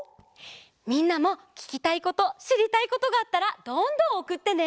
みんなもききたいことしりたいことがあったらどんどんおくってね！